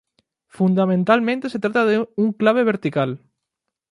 Fundamentalmente, se trata de un clave vertical.